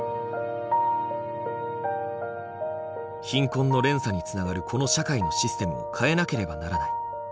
「貧困の連鎖につながるこの社会のシステムを変えなければならない」。